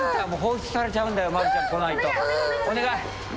お願い。